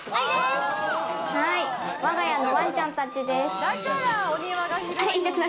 わが家のワンちゃんたちです。